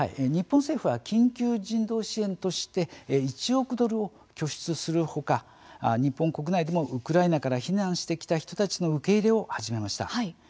日本政府は緊急人道支援として１億ドルを拠出するほか日本国内でも、ウクライナから避難してきた人たちの受け入れを始めました。